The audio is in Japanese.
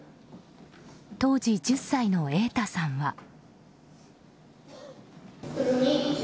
当時１０歳の瑛太さんは。